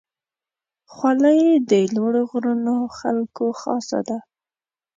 خولۍ د لوړو غرونو خلکو خاصه ده.